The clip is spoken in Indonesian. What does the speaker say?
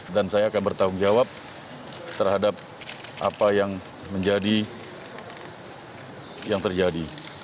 dan saya akan bertanggung jawab terhadap apa yang menjadi yang terjadi